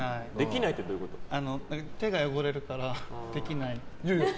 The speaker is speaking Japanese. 手が汚れるからできない。